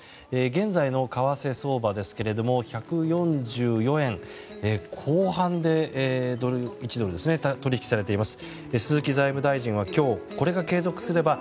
現在の為替相場ですけども１ドル＝１４４円後半で取引されています。